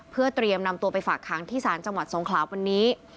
เพื่อเตรียมนำตัวไปฝากขังที่ศาลจังหวัดสงขลาวันนี้